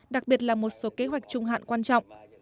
đặc biệt là một số kế hoạch trung hạn quan trọng